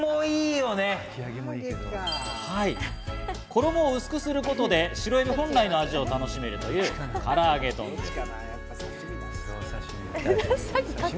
衣を薄くすることで白エビ本来の味を楽しめるという、から揚げ丼です。